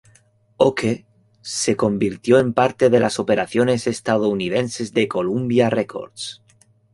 Okeh se convirtió en parte de las operaciones estadounidenses de Columbia Records.